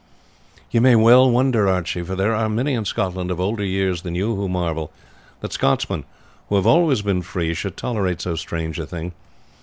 "You may well wonder, Archie, for there are many in Scotland of older years than you who marvel that Scotsmen, who have always been free, should tolerate so strange a thing.